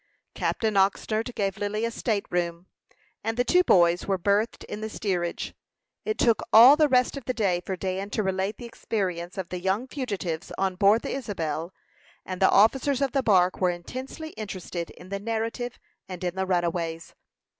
Captain Oxnard gave Lily a state room, and the two boys were berthed in the steerage. It took all the rest of the day for Dan to relate the experience of the young fugitives on board the Isabel; and the officers of the bark were intensely interested in the narrative and in the runaways.